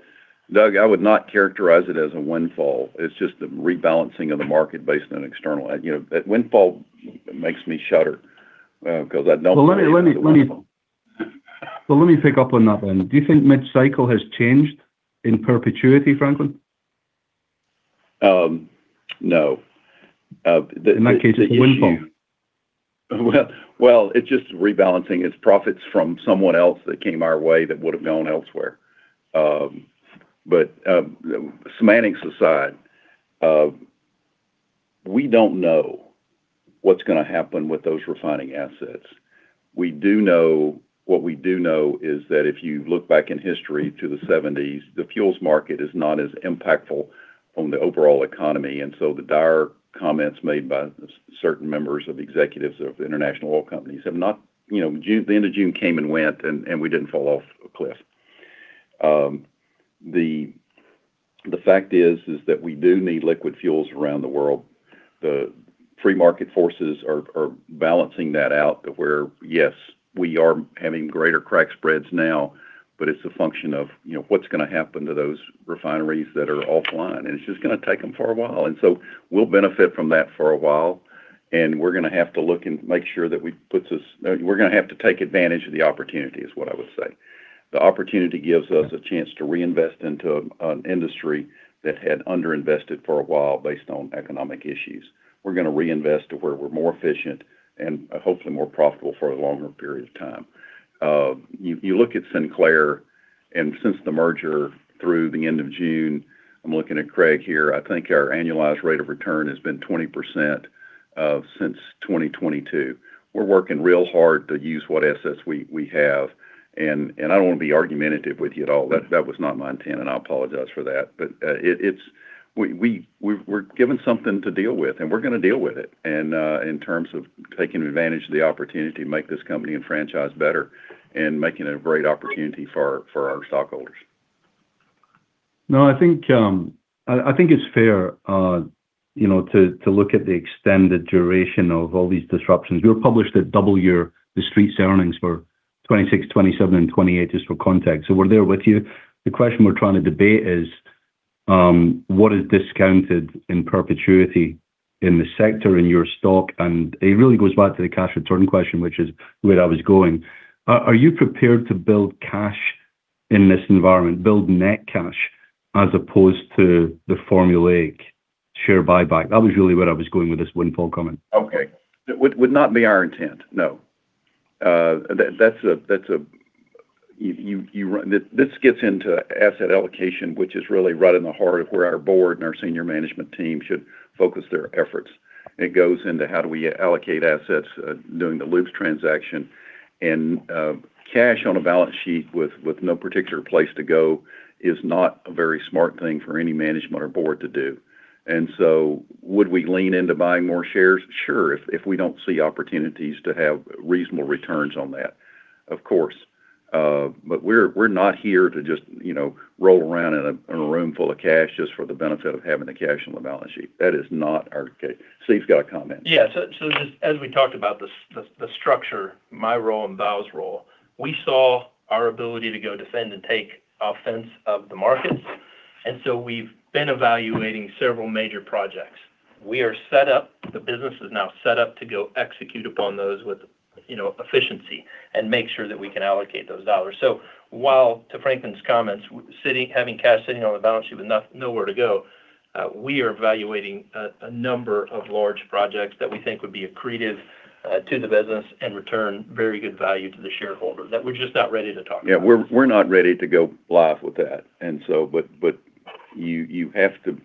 Doug, I would not characterize it as a windfall. It's just the rebalancing of the market based on an external. Windfall makes me shudder because I don't believe in a windfall. Let me pick up on that then. Do you think mid-cycle has changed in perpetuity, Franklin? No. In that case, it's a windfall. Well, it's just rebalancing. It's profits from someone else that came our way that would've gone elsewhere. Semantics aside, we don't know what's going to happen with those refining assets. What we do know is that if you look back in history to the 1970s, the fuels market is not as impactful on the overall economy. The dire comments made by certain members of executives of international oil companies. The end of June came and went, and we didn't fall off a cliff. The fact is that we do need liquid fuels around the world. The free market forces are balancing that out to where, yes, we are having greater crack spreads now, but it's a function of what's going to happen to those refineries that are offline, and it's just going to take them for a while. We'll benefit from that for a while. We're going to have to look and make sure that we're going to have to take advantage of the opportunity, is what I would say. The opportunity gives us a chance to reinvest into an industry that had under-invested for a while based on economic issues. We're going to reinvest to where we're more efficient and hopefully more profitable for a longer period of time. You look at Sinclair, and since the merger through the end of June, I'm looking at Craig here, I think our annualized rate of return has been 20% since 2022. We're working real hard to use what assets we have. I don't want to be argumentative with you at all. That was not my intent, and I apologize for that. We're given something to deal with, and we're going to deal with it. In terms of taking advantage of the opportunity to make this company and franchise better and making it a great opportunity for our stockholders. No, I think it's fair to look at the extended duration of all these disruptions. We were published at TheStreet's earnings for 2026, 2027 and 2028 just for context. We're there with you. The question we're trying to debate is what is discounted in perpetuity in the sector, in your stock? It really goes back to the cash return question, which is where I was going. Are you prepared to build cash in this environment, build net cash as opposed to the formulaic share buyback? That was really where I was going with this windfall comment. Okay. Would not be our intent, no. This gets into asset allocation, which is really right in the heart of where our Board and our senior management team should focus their efforts. It goes into how do we allocate assets doing the lubes transaction. Cash on a balance sheet with no particular place to go is not a very smart thing for any management or board to do. Would we lean into buying more shares? Sure, if we don't see opportunities to have reasonable returns on that, of course. We're not here to just roll around in a room full of cash just for the benefit of having the cash on the balance sheet. That is not Steve's got a comment. Yeah. Just as we talked about the structure, my role and Val's role, we saw our ability to go defend and take offense of the markets. We've been evaluating several major projects. The business is now set up to go execute upon those with efficiency and make sure that we can allocate those dollars. While to Franklin's comments, having cash sitting on the balance sheet with nowhere to go, we are evaluating a number of large projects that we think would be accretive to the business and return very good value to the shareholder that we're just not ready to talk about. Yeah. We're not ready to go live with that. You have to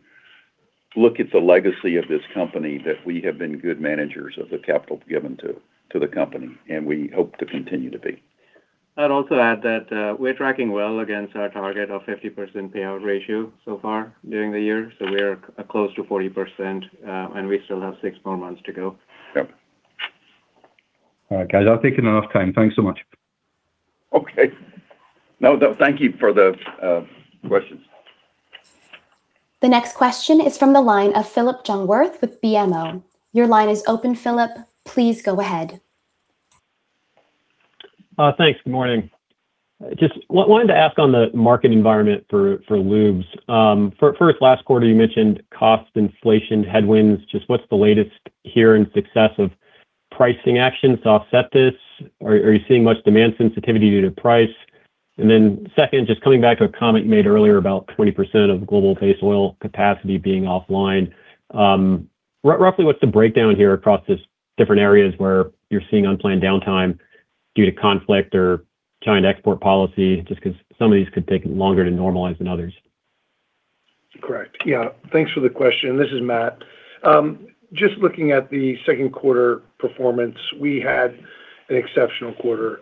look at the legacy of this company, that we have been good managers of the capital given to the company, and we hope to continue to be. I'd also add that we're tracking well against our target of 50% payout ratio so far during the year. We're close to 40%, and we still have six more months to go. Yep. All right, guys. I've taken enough time. Thanks so much. Okay. No, thank you for the questions. The next question is from the line of Phillip Jungwirth with BMO. Your line is open, Phillip. Please go ahead. Thanks. Good morning. Just wanted to ask on the market environment for lubes. First, last quarter, you mentioned cost inflation headwinds. Just what's the latest here in success of pricing actions to offset this? Are you seeing much demand sensitivity due to price? Second, just coming back to a comment you made earlier about 20% of global base oil capacity being offline. Roughly, what's the breakdown here across these different areas where you're seeing unplanned downtime due to conflict or China export policy? Just because some of these could take longer to normalize than others. Correct. Thanks for the question. This is Matt. Just looking at the Q2 performance, we had an exceptional quarter.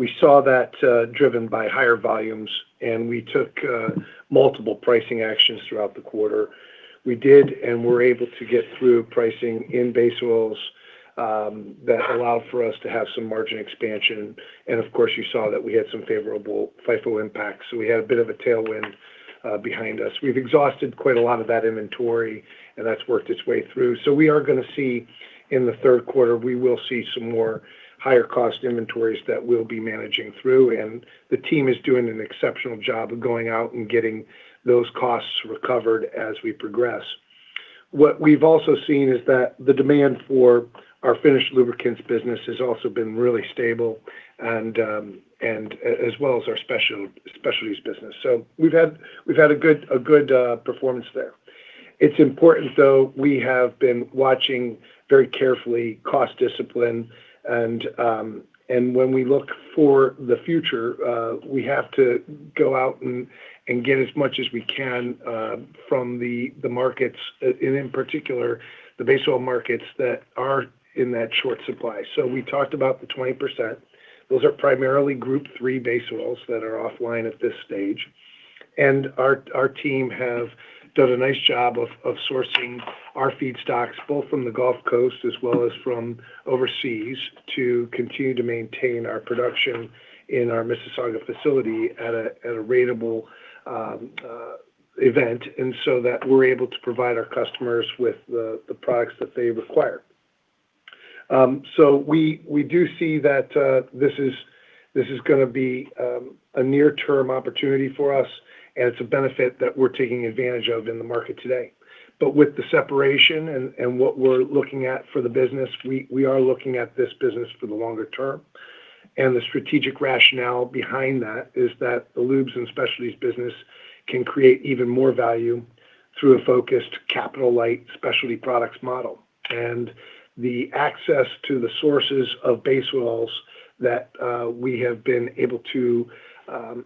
We saw that driven by higher volumes, we took multiple pricing actions throughout the quarter. We did, were able to get through pricing in base oils that allowed for us to have some margin expansion. Of course, you saw that we had some favorable FIFO impacts. We had a bit of a tailwind behind us. We've exhausted quite a lot of that inventory, and that's worked its way through. We are going to see in the Q3, we will see some more higher-cost inventories that we'll be managing through. The team is doing an exceptional job of going out and getting those costs recovered as we progress. What we've also seen is that the demand for our finished lubricants business has also been really stable and as well as our specialties business. We've had a good performance there. It's important, though, we have been watching very carefully cost discipline. When we look for the future, we have to go out and get as much as we can from the markets, and in particular, the base oil markets that are in that short supply. We talked about the 20%. Those are primarily Group III base oils that are offline at this stage. Our team have done a nice job of sourcing our feedstocks, both from the Gulf Coast as well as from overseas, to continue to maintain our production in our Mississauga facility at a ratable event. That we're able to provide our customers with the products that they require. We do see that this is going to be a near-term opportunity for us, and it's a benefit that we're taking advantage of in the market today. With the separation and what we're looking at for the business, we are looking at this business for the longer term. The strategic rationale behind that is that the L&S business can create even more value through a focused, capital-light specialty products model. The access to the sources of base oils that we have been able to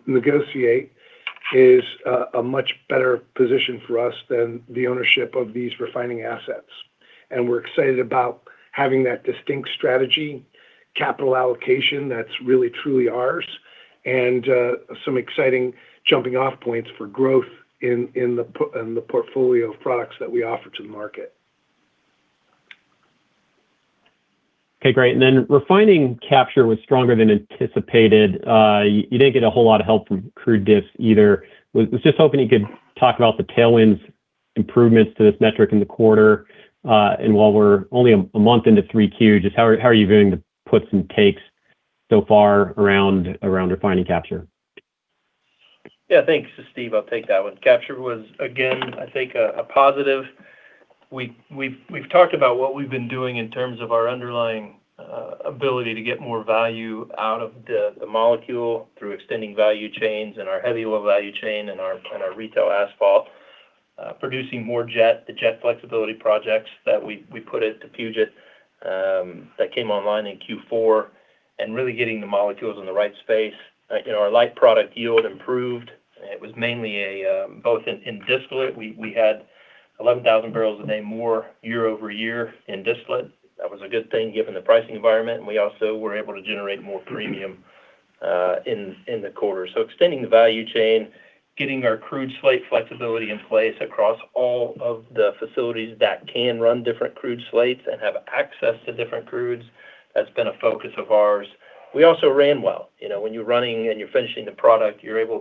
negotiate is a much better position for us than the ownership of these refining assets. We're excited about having that distinct strategy, capital allocation that's really, truly ours, and some exciting jumping-off points for growth in the portfolio of products that we offer to the market. Okay, great. Refining capture was stronger than anticipated. You didn't get a whole lot of help from crude diffs either. I was just hoping you could talk about the tailwinds improvements to this metric in the quarter. While we're only a month into 3Q, just how are you viewing the puts and takes so far around refining capture? Yeah, thanks. This is Steve. I'll take that one. Capture was, again, I think, a positive. We've talked about what we've been doing in terms of our underlying ability to get more value out of the molecule through extending value chains and our heavy oil value chain and our retail asphalt. Producing more jet, the jet flexibility projects that we put into Puget that came online in Q4, and really getting the molecules in the right space. Our light product yield improved. It was mainly both in distillate, we had 11,000 barrels a day more year-over-year in distillate. That was a good thing given the pricing environment, and we also were able to generate more premium in the quarter. Extending the value chain, getting our crude slate flexibility in place across all of the facilities that can run different crude slates and have access to different crudes, that's been a focus of ours. We also ran well. When you're running and you're finishing the product, you're able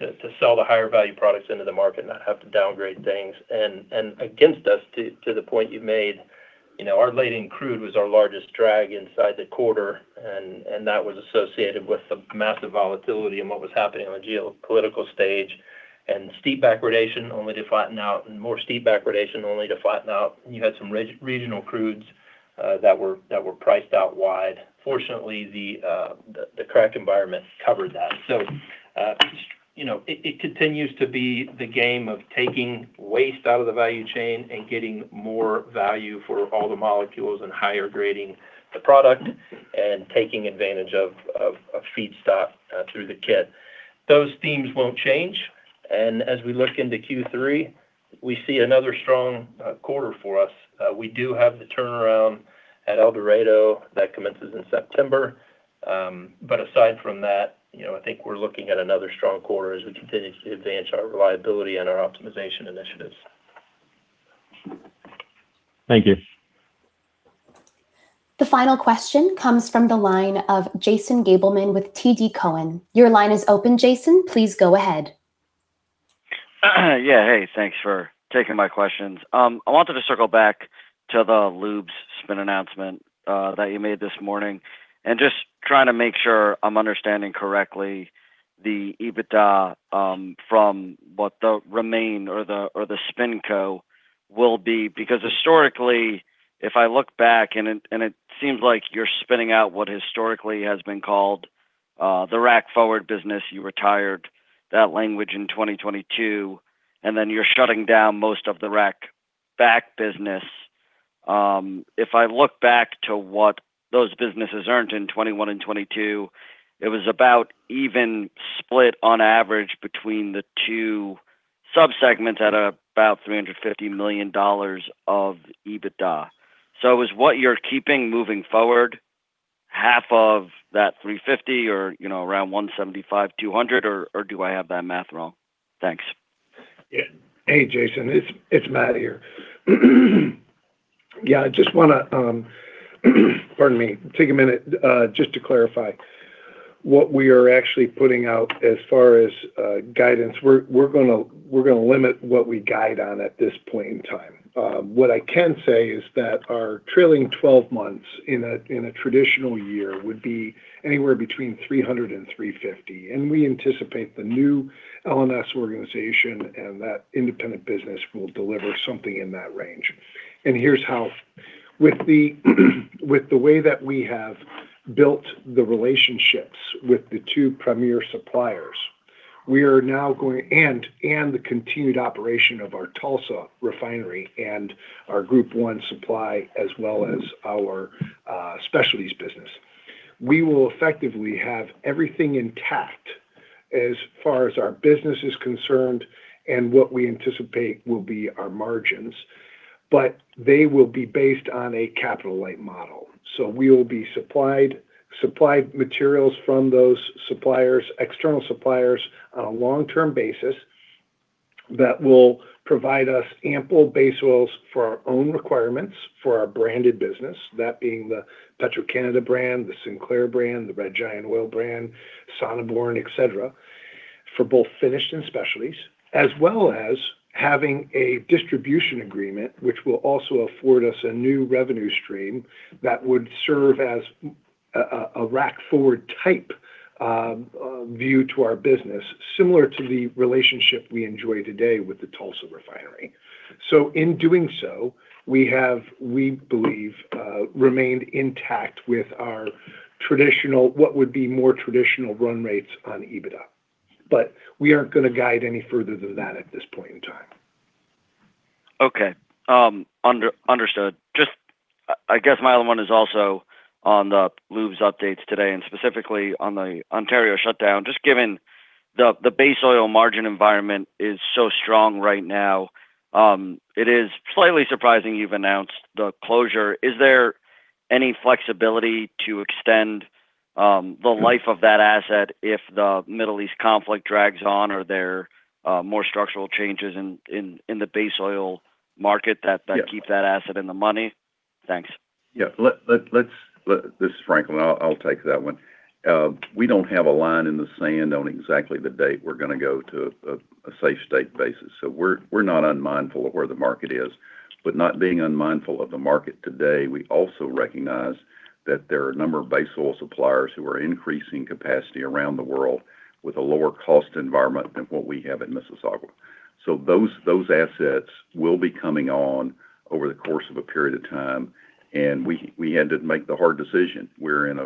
to sell the higher value products into the market and not have to downgrade things. Against us, to the point you made, our Laid-in crude was our largest drag inside the quarter, and that was associated with the massive volatility and what was happening on the geopolitical stage, and steep backwardation only to flatten out, and more steep backwardation only to flatten out. You had some regional crudes that were priced out wide. Fortunately, the crack environment covered that. It continues to be the game of taking waste out of the value chain and getting more value for all the molecules and higher grading the product and taking advantage of feedstock through the kit. Those themes won't change, and as we look into Q3, we see another strong quarter for us. We do have the turnaround at El Dorado that commences in September. Aside from that, I think we're looking at another strong quarter as we continue to advance our reliability and our optimization initiatives. Thank you. The final question comes from the line of Jason Gabelman with TD Cowen. Your line is open, Jason. Please go ahead. Yeah. Hey, thanks for taking my questions. I wanted to circle back to the Lubes spin announcement that you made this morning and just trying to make sure I'm understanding correctly the EBITDA from what the RemainCo or the SpinCo will be. Historically, if I look back and it seems like you're spinning out what historically has been called the Rack forward business. You retired that language in 2022, and then you're shutting down most of the Rack back business. If I look back to what those businesses earned in 2021 and 2022, it was about even split on average between the two subsegments at about $350 million of EBITDA. Is what you're keeping moving forward half of that $350 million or around $175 million, $200 million, or do I have that math wrong? Thanks. Hey, Jason, it's Matt here. I just want to, pardon me, take a minute just to clarify. What we are actually putting out as far as guidance, we're going to limit what we guide on at this point in time. What I can say is that our trailing 12 months in a traditional year would be anywhere between $300 million and $350 million, and we anticipate the new L&S organization and that independent business will deliver something in that range. Here's how. With the way that we have built the relationships with the two premier suppliers, and the continued operation of our Tulsa refinery and our Group I supply, as well as our specialties business, we will effectively have everything intact as far as our business is concerned and what we anticipate will be our margins. They will be based on a capital-light model. We will be supplied materials from those suppliers, external suppliers, on a long-term basis that will provide us ample base oils for our own requirements for our branded business, that being the Petro-Canada brand, the Sinclair brand, the Red Giant Oil brand, Sonneborn, et cetera. For both finished and specialties, as well as having a distribution agreement, which will also afford us a new revenue stream that would serve as a Rack forward type view to our business, similar to the relationship we enjoy today with the Tulsa refinery. In doing so, we have, we believe, remained intact with what would be more traditional run rates on EBITDA. We aren't going to guide any further than that at this point in time. Okay. Understood. I guess my other one is also on the lubes updates today, and specifically on the Ontario shutdown. Just given the base oil margin environment is so strong right now, it is slightly surprising you've announced the closure. Is there any flexibility to extend the life of that asset if the Middle East conflict drags on? Are there more structural changes in the base oil market that keep that asset in the money? Thanks. Yeah. This is Franklin. I'll take that one. We don't have a line in the sand on exactly the date we're going to go to a safe state basis. We're not unmindful of where the market is. Not being unmindful of the market today, we also recognize that there are a number of base oil suppliers who are increasing capacity around the world with a lower cost environment than what we have in Mississauga. Those assets will be coming on over the course of a period of time, and we had to make the hard decision. We're in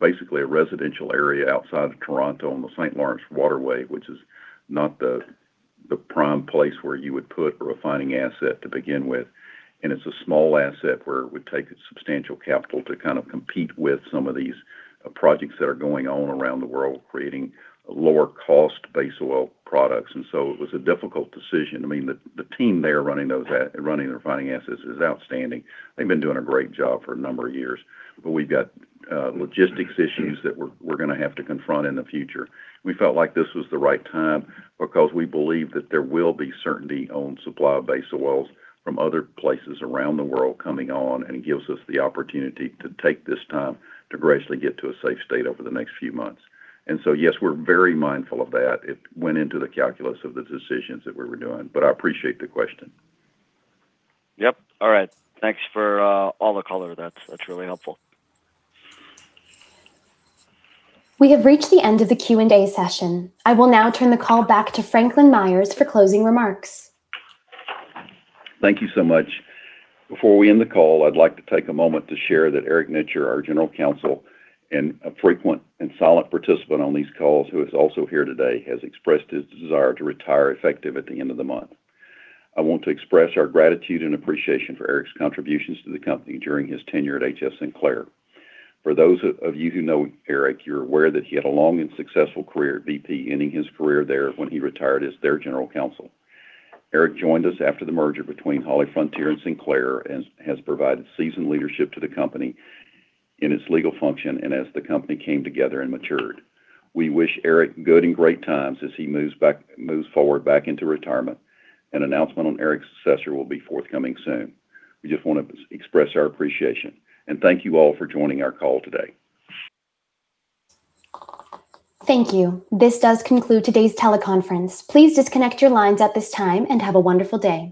basically a residential area outside of Toronto on the St. Lawrence waterway, which is not the prime place where you would put a refining asset to begin with. It's a small asset where it would take a substantial capital to kind of compete with some of these projects that are going on around the world, creating lower cost base oil products. It was a difficult decision. The team there running the refining assets is outstanding. They've been doing a great job for a number of years. We've got logistics issues that we're going to have to confront in the future. We felt like this was the right time because we believe that there will be certainty on supply of base oils from other places around the world coming on, and it gives us the opportunity to take this time to graciously get to a safe state over the next few months. Yes, we're very mindful of that. It went into the calculus of the decisions that we were doing. I appreciate the question. Yep. All right. Thanks for all the color. That's truly helpful. We have reached the end of the Q&A session. I will now turn the call back to Franklin Myers for closing remarks. Thank you so much. Before we end the call, I'd like to take a moment to share that Eric Nitcher, our General Counsel, and a frequent and solid participant on these calls, who is also here today, has expressed his desire to retire effective at the end of the month. I want to express our gratitude and appreciation for Eric's contributions to the company during his tenure at HF Sinclair. For those of you who know Eric, you're aware that he had a long and successful career at BP, ending his career there when he retired as their General Counsel. Eric joined us after the merger between HollyFrontier and Sinclair, and has provided seasoned leadership to the company in its legal function and as the company came together and matured. We wish Eric good and great times as he moves forward back into retirement. An announcement on Eric's successor will be forthcoming soon. We just want to express our appreciation. Thank you all for joining our call today. Thank you. This does conclude today's teleconference. Please disconnect your lines at this time, and have a wonderful day.